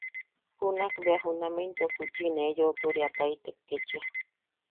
Junak bea juname into juchi ne yoʼoturiataitek ketchia.